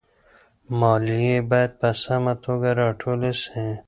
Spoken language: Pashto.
ماليې بايد په سمه توګه راټولي سي.